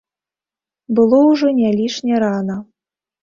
Было ўжо не лішне рана.